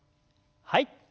はい。